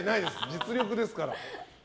実力ですから。